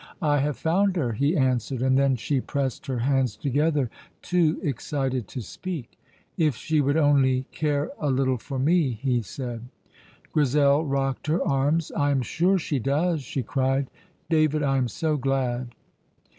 "I have found her," he answered; and then she pressed her hands together, too excited to speak. "If she would only care a little for me," he said. Grizel rocked her arms. "I am sure she does," she cried. "David, I am so glad!"